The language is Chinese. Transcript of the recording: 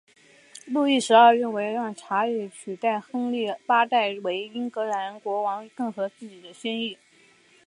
路易十二认为让理查取代亨利八世为英格兰国王更合自己的心意。